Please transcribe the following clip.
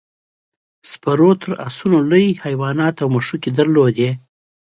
سپارو تر اسونو لوی حیوانات او مښوکې درلودې.